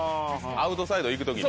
アウトサイド行く時に？